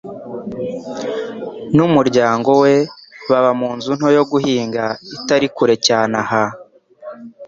n'umuryango we baba mu nzu nto yo guhinga itari kure cyane aha.